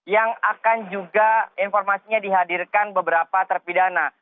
yang akan juga informasinya dihadirkan beberapa terpidana